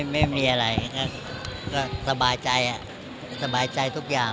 ไม่มีอะไรก็สบายใจทุกอย่างไม่ได้คิดอะไรเลย